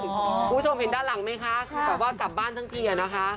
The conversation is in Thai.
คุณผู้ชมเห็นด้านหลังไหมคะคือแบบว่ากลับบ้านทั้งทีอะนะคะ